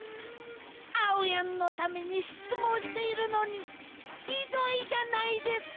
あおやんのためにしつもんしているのにひどいじゃないですか！